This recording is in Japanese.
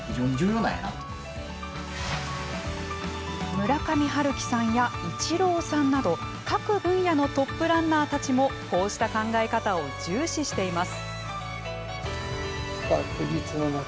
村上春樹さんやイチローさんなど各分野のトップランナーたちもこうした考え方を重視しています。